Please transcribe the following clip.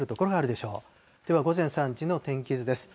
では、午前３時の天気図です。